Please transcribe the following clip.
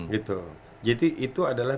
gitu jadi itu adalah